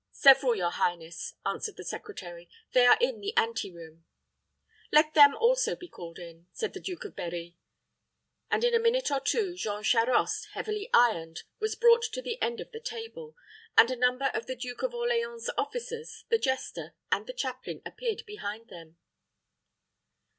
"Several, your highness," answered the secretary. "They are in the ante room." "Let them also be called in," said the Duke of Berri; and in a minute or two, Jean Charost, heavily ironed, was brought to the end of the table, and a number of the Duke of Orleans's officers, the jester, and the chaplain appeared behind them.